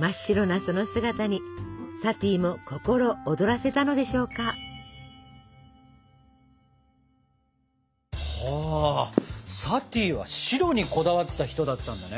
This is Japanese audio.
真っ白なその姿にサティも心躍らせたのでしょうか。はサティは「白」にこだわった人だったんだね。